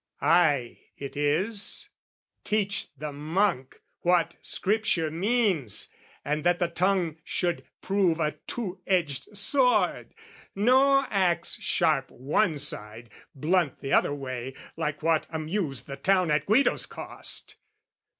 I, it is, teach the monk what scripture means, And that the tongue should prove a two edged sword, No axe sharp one side, blunt the other way, Like what amused the town at Guido's cost!